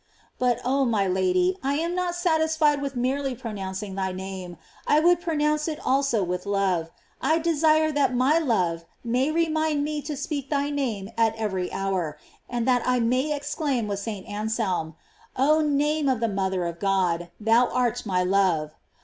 But, oh my Lady, I am not satisfied with merely pronouncing thy name, I would pro nounce it also with love; I desire that my love may remind me to speak thy name at every hour, that I may exclaim with St. Anselm: Oh name of the mother of God, thou art my love.